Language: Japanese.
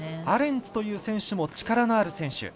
アレンツという選手も力のある選手。